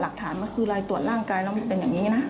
หลักฐานก็คือลายตรวจร่างกายแล้วมันเป็นอย่างนี้นะ